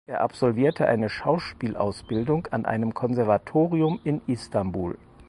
Er absolvierte eine Schauspielausbildung an einem Konservatorium in Istanbul.